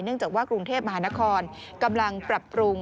จากว่ากรุงเทพมหานครกำลังปรับปรุง